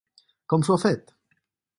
Com s'ho ha fet?